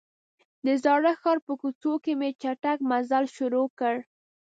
د زاړه ښار په کوڅو کې مې چټک مزل شروع کړ.